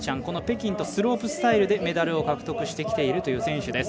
この北京とスロープスタイルでメダルを獲得してきている選手。